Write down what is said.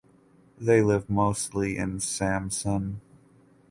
They live mostly in Samsun.